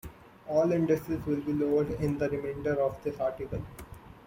All indices will be lowered in the remainder of this article.